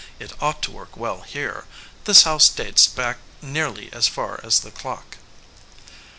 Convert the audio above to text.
It ought to work well here. This house dates back nearly as far as the clock."